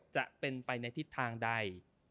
จะเป็นไปในทิศทางใด